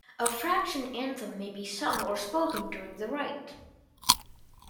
A Fraction Anthem may be sung or spoken during the rite.